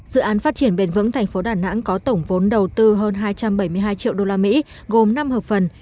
dự án phát triển bền vững tp đà nẵng có tổng vốn đầu tư hơn hai trăm bảy mươi hai triệu usd gồm năm hợp phần